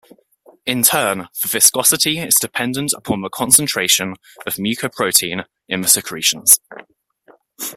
In turn, the viscosity is dependent upon the concentration of mucoprotein in the secretions.